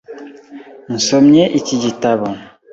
Nsomye iki gitabo .